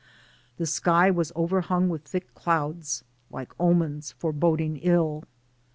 The sky was overhung with thick clouds like omens foreboding ill.